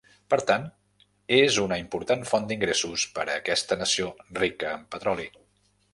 Per tant, és una important font d'ingressos per a aquesta nació rica en petroli.